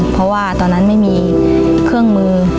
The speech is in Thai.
เพราะว่าตอนนั้นไม่มีเครื่องมือ